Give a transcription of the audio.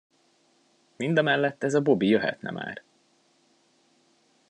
Mindamellett ez a Bobby jöhetne már.